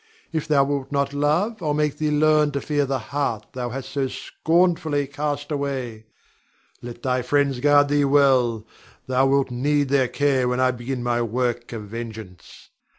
If thou wilt not love, I'll make thee learn to fear the heart thou hast so scornfully cast away. Let thy friends guard thee well; thou wilt need their care when I begin my work of vengeance.